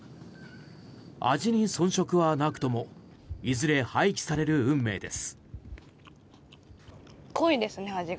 味にそん色はなくともいずれ廃棄される運命です。